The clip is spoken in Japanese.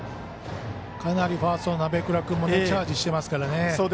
かなりファースト鍋倉君もチャージしてますからね。